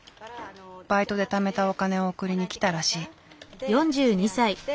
バイトでためたお金を送りに来たらしい。